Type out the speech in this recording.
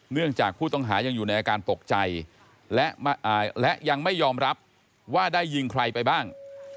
เนื่องจากผู้ต้องหายังอยู่ในอาการตกใจและยังไม่ยอมรับว่าได้ยิงใครไปบ้าง